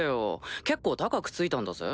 結構高くついたんだぜ？